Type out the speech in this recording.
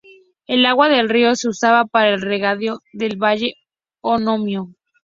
El agua del río es usada para el regadío del valle homónimo.